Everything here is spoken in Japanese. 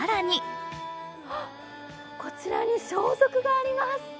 こちらに装束があります。